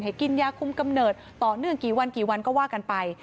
กินยาคุมกำเนิดต่อเนื่องกี่วันกี่วันก็ว่ากันไป